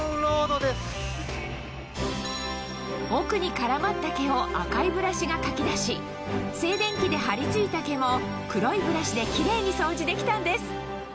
奥に絡まった毛を赤いブラシがかき出し静電気で張り付いた毛も黒いブラシでキレイに掃除できたんです